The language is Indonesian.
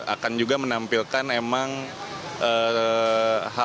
akan juga menampilkan memang hal hal